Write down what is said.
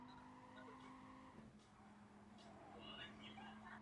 Gól v něm nedal.